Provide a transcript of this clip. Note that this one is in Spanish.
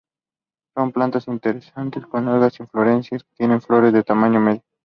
Son plantas interesantes con largas inflorescencias que tienen flores de tamaño medio.